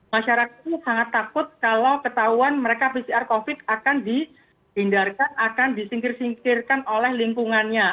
masyarakat sangat takut kalau ketahuan mereka pcr covid akan dihindarkan akan disingkir singkirkan oleh lingkungannya